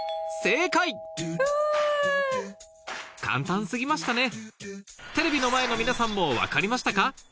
簡単過ぎましたねテレビの前の皆さんも分かりましたか？